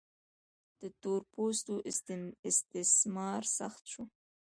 د تور پوستو استثمار سخت شو.